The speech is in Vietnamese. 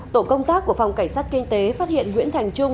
tổ công tác của phòng cảnh sát kinh tế phát hiện nguyễn thành trung